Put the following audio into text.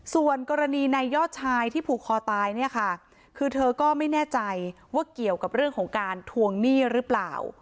ส่วนกรณีในยอดชายที่ผูกคอตายเนี่ยค่ะคือเธอก็ไม่แน่ใจว่าเกี่ยวกับเรื่องของการทวงหนี้หรือเปล่า